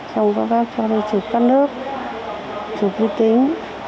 xong các bác cho đi chụp căn nước chụp vi tính